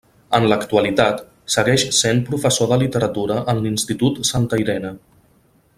En l'actualitat segueix sent professor de literatura en l'Institut Santa Irene.